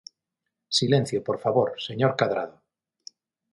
¡Silencio, por favor, señor Cadrado!